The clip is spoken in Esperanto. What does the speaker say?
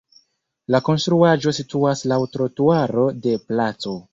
La konstruaĵo situas laŭ trotuaro de placo.